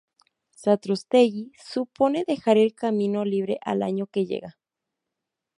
Satrústegui, "supone dejar el camino libre al año que llega".